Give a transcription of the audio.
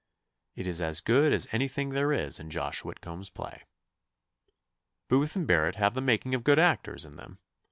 It is as good as anything there is in Josh Whitcomb's play. Booth and Barrett have the making of good actors in them.